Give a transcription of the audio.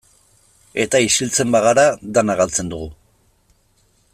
Eta isiltzen bagara, dena galtzen dugu.